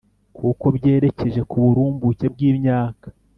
kuko byerekeje ku burumbuke bw’imyaka.